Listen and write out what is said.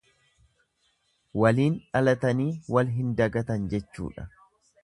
Waliin dhalatanii wal hin dagatan jechuudha.